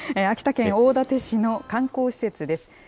秋田県大館市の観光施設です。